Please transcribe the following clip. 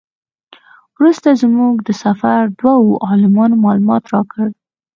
وروسته زموږ د سفر دوو عالمانو معلومات راکړل.